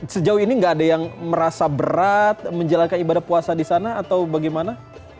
sejauh ini nggak ada yang merasa berat menjalankan ibadah puasa di sana atau bagaimana